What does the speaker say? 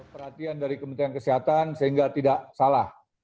perhatian dari kementerian kesehatan sehingga tidak salah